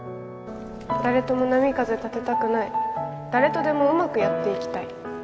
誰とも波風立てたくない誰とでもうまくやっていきたい